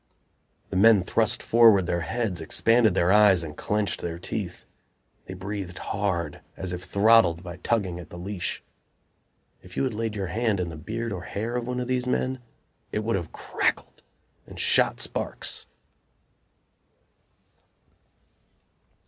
The men thrust forward their heads, expanded their eyes and clenched their teeth. They breathed hard, as if throttled by tugging at the leash. If you had laid your hand in the beard or hair of one of these men it would have crackled and shot sparks.